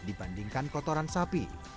dibandingkan kotoran sapi